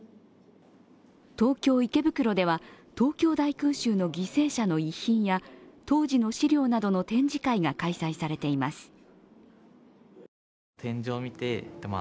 東京・池袋では、東京大空襲の犠牲者の遺品や当時の資料などの展示会が開催されています。